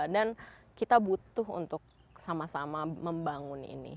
dan kita butuh untuk sama sama membangun ini